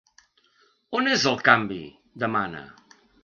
On és el canvi?, demana.